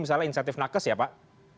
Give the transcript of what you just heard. misalnya insentif nakes ya pak